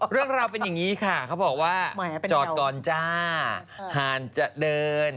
เรื่องราวเป็นอย่างนี้ค่ะเขาบอกว่าจอดก่อนจ้าห่านจะเดิน